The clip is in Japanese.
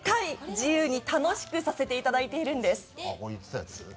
自由に楽しくさせていただいているんです。